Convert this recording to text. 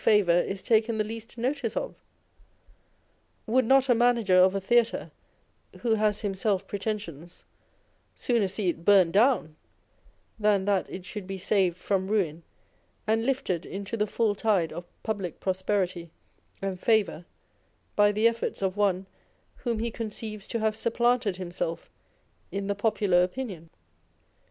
favour is taken the least notice of ? Would not a manager of a theatre (who has himself pretensions) sooner see it burnt clown, than that it should be saved from ruin and lifted into the full tide of public prosperity and favour by the efforts of one whom he conceives to have supplanted himself in the popular opinion